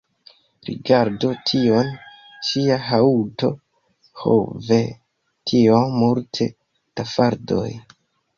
Rigardu tion; ŝia haŭto! ho ve! tiom multe da faldoj